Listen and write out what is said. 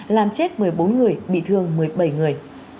làm chết một mươi bốn người bị thương một mươi bảy người